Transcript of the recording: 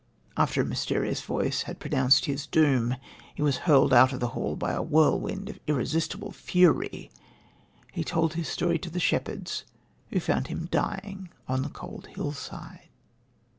After a mysterious voice had pronounced his doom he was hurled out of the hall by a whirlwind of irresistible fury. He told his story to the shepherds, who found him dying on the cold hill side.